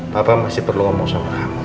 papa masih perlu ngomong sama kamu